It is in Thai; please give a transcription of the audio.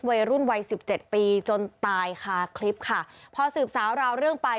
วัยรุ่นวัยสิบเจ็ดปีจนตายค่ะคลิปค่ะพอสืบสาวราวเรื่องไป